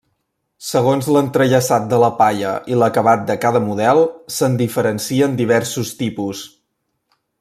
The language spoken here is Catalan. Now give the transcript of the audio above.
Segons l'entrellaçat de la palla i l'acabat de cada model, se'n diferencien diversos tipus.